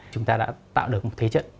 chúng ta đã tạo được một thế trận